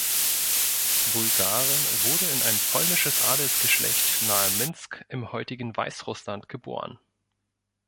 Bulgarin wurde in ein polnisches Adelsgeschlecht nahe Minsk im heutigen Weißrussland geboren.